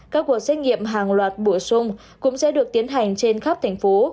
các cuộc xét nghiệm hàng loạt bổ sung cũng sẽ được tiến hành trên khắp thành phố